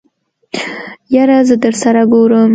يره زه درسره ګورم.